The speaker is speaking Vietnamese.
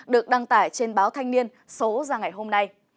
được đăng tải trên báo thanh niên số ra ngày hôm nay